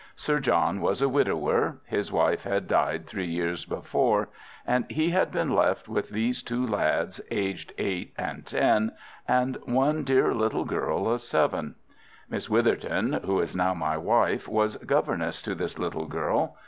Sir John was a widower—his wife had died three years before—and he had been left with these two lads aged eight and ten, and one dear little girl of seven. Miss Witherton, who is now my wife, was governess to this little girl.